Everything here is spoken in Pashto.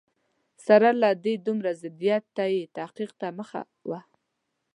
سره له دې دومره ضدیته یې تحقیق ته مخه وه.